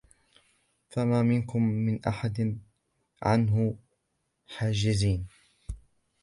فما منكم من أحد عنه حاجزين